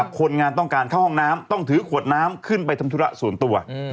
คนงานต้องการเข้าห้องน้ำต้องถือขวดน้ำขึ้นไปทำธุระส่วนตัว